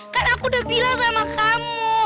kan aku udah bilang sama kamu